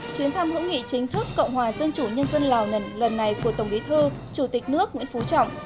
chuyến thăm hữu nghị chính thức cộng hòa dân chủ nhân dân lào lần này của tổng bí thư chủ tịch nước nguyễn phú trọng